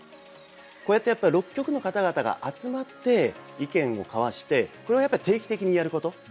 こうやってやっぱり６局の方々が集まって意見を交わしてこれをやっぱり定期的にやること。